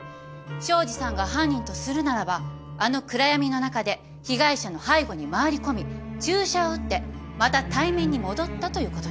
庄司さんが犯人とするならばあの暗闇の中で被害者の背後に回り込み注射を打ってまた対面に戻ったということになる。